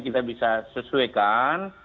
kita bisa sesuaikan